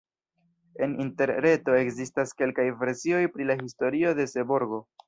En Interreto ekzistas kelkaj versioj pri la historio de Seborgo.